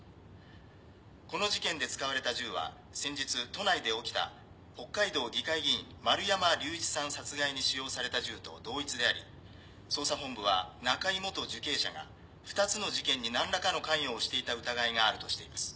「この事件で使われた銃は先日都内で起きた北海道議会議員・丸山隆一さん殺害に使用された銃と同一であり捜査本部は中井元受刑者が２つの事件に何らかの関与をしていた疑いがあるとしています」